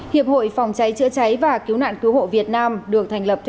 hiệp hội phòng cháy chữa cháy và cứu nạn cứu hộ việt nam được thành lập